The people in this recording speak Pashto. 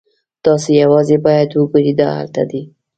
تاسو یوازې باید وګورئ دا هلته دی